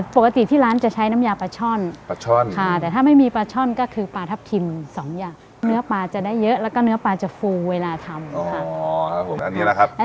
ปกติที่ร้านจะใช้น้ำยาปลาช่อนปลาช่อนค่ะแต่ถ้าไม่มีปลาช่อนก็คือปลาทับทิมสองอย่างเนื้อปลาจะได้เยอะแล้วก็เนื้อปลาจะฟูเวลาทำค่ะ